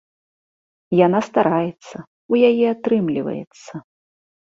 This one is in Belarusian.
Яна стараецца, у яе атрымліваецца.